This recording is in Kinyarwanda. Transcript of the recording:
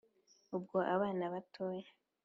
Ubwo abana batoya